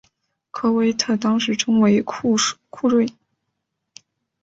科威特当时称为库锐。